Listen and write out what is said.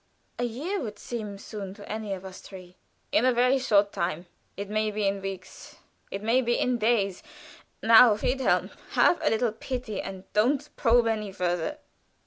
"A year would seem soon to any of us three." "In a very short time. It may be in weeks; it may be in days. Now, Friedhelm, have a little pity and don't probe any further."